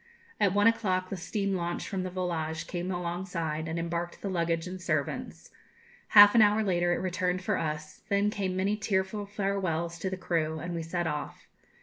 At one o'clock the steam launch from the 'Volage' came alongside and embarked the luggage and servants. Half an hour later it returned for us; then came many tearful farewells to the crew, and we set off.